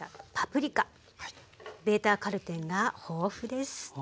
ベータカロテンが豊富です。